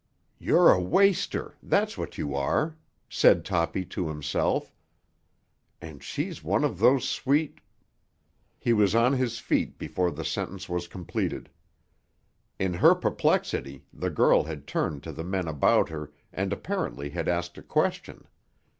"You're a waster, that's what you are," said Toppy to himself, "and she's one of those sweet——" He was on his feet before the sentence was completed. In her perplexity the girl had turned to the men about her and apparently had asked a question.